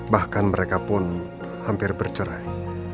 bahkan mereka pun hampir bercerai